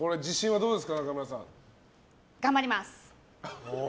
頑張ります！